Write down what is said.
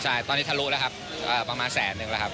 ใช่ตอนนี้ทะลุแล้วครับประมาณแสนนึงแล้วครับ